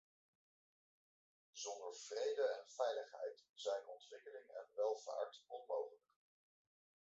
Zonder vrede en veiligheid zijn ontwikkeling en welvaart onmogelijk.